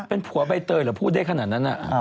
เป็นผัวใบเตยเหรอพูดได้ขนาดนั้น